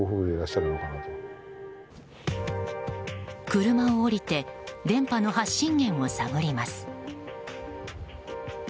車を降りて電波の発信源を探ります。